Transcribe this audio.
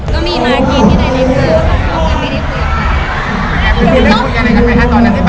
ก็มีมากที่ที่ได้ได้คุยกับเขายังไม่ได้คุยกับเขา